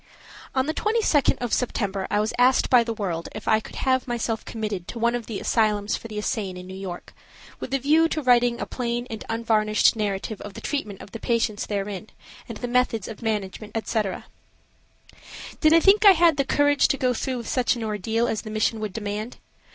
ON the 22d of September I was asked by the World if I could have myself committed to one of the asylums for the insane in New York, with a view to writing a plain and unvarnished narrative of the treatment of the patients therein and the methods of management, etc. Did I think I had the courage to go through such an ordeal as the mission would demand?